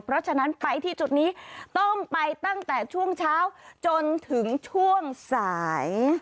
เพราะฉะนั้นไปที่จุดนี้ต้องไปตั้งแต่ช่วงเช้าจนถึงช่วงสาย